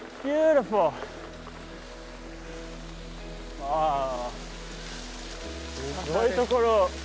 あすごいところ。